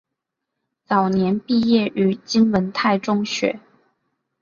早年毕业于金文泰中学。